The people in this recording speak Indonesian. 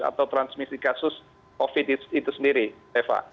atau transmisi kasus covid itu sendiri eva